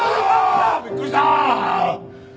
びっくりした！